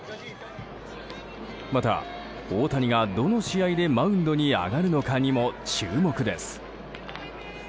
また、大谷がどの試合でマウンドに上がるのかにも注目です。